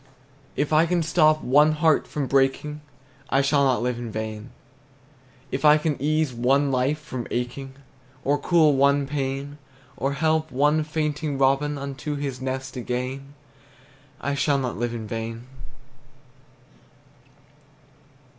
If I can stop one heart from breaking, I shall not live in vain; If I can ease one life the aching, Or cool one pain, Or help one fainting robin Unto his nest again, I shall not live in vain.